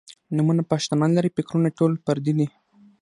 نومونه پښتانۀ لــري فکـــــــــــرونه ټول پردي دي